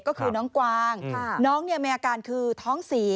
ก็คือน้องกวางน้องมีอาการคือท้องเสีย